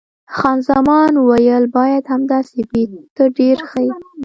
خان زمان وویل: باید همداسې وي، ته ډېر ښه یې.